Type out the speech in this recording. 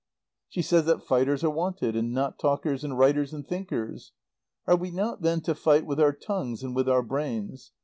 "She says that fighters are wanted, and not talkers and writers and thinkers. Are we not then to fight with our tongues and with our brains?